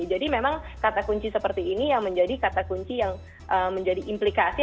jadi memang kata kunci seperti ini yang menjadi kata kunci yang menjadi implikasi